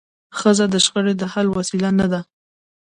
ښځه د شخړي د حل وسیله نه ده.